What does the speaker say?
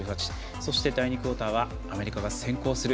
そして、第２クオーターはアメリカが先行する。